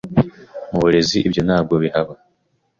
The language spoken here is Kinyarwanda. mu burezi ibyo ntabwo bihaba